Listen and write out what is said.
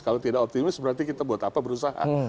kalau tidak optimis berarti kita buat apa berusaha